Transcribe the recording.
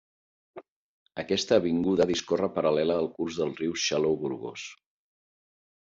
Aquesta avinguda discorre paral·lela al curs del riu Xaló-Gorgos.